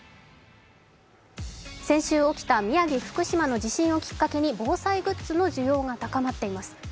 先週起きた宮城、福島の地震をきっかけに防災グッズの需要が高まっています。